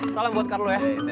salam buat karlo ya